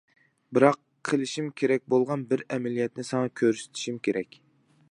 بىراق قىلىشىم كېرەك بولغان بىر ئەمەلىيەتنى ساڭا كۆرسىتىشىم كېرەك.